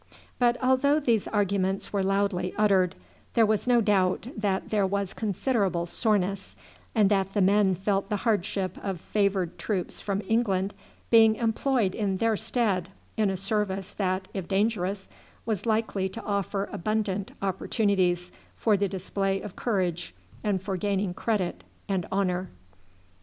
But although these arguments were loudly uttered, there was no doubt that there was considerable soreness, and that the men felt the hardship of favoured troops from England being employed in their stead in a service that, if dangerous, was likely to offer abundant opportunities for the display of courage and for gaining credit and honour.